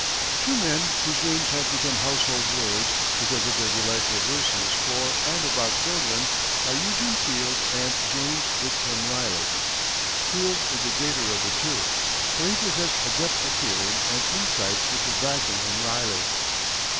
Two men whose names have become household words because of their delightful verses for and about children are Eugene Field and James Whitcomb Riley. Field is the greater of the two, for he possessed a depth of feeling and insight which is lacking in Riley.